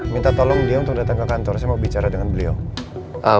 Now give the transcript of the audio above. minta tolong dia untuk datang ke kantor saya mau bicara dengan beliau